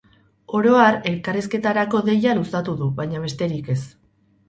Oro har elkarrizketarako deia luzatu du, baina besterik ez.